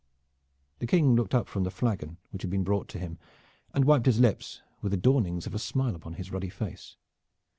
King John looked up from the flagon which had been brought to him and wiped his lips with the dawnings of a smile upon his ruddy face.